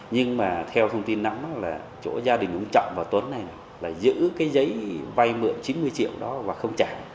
nhưng mà theo thông tin nắm là chỗ gia đình ông trọng và tuấn này là giữ cái giấy vay mượn chín mươi triệu đó và không trả